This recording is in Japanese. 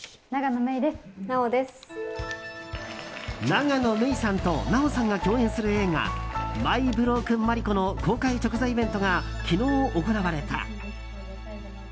永野芽郁さんと奈緒さんが共演する映画「マイ・ブロークン・マリコ」の公開直前イベントが昨日行われた。